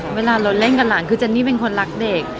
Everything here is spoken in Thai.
เวลารถเล่นกับหลานคือเจนนี่เป็นคนรักเด็ก